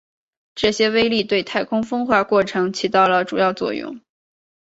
这些微粒对太空风化过程起到了主要作用。